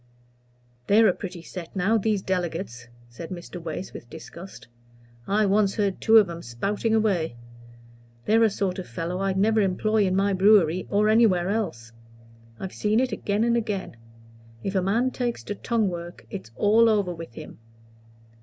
"They're a pretty set, now, these delegates," said Mr. Wace, with disgust. "I once heard two of 'em spouting away. They're a sort of fellow I'd never employ in my brewery, or anywhere else. I've seen it again and again. If a man takes to tongue work it's all over with him.